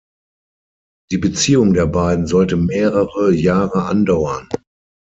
Die Beziehung der beiden sollte mehrere Jahre andauern.